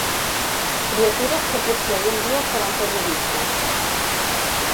Criatures que potser algun dia seran periodistes.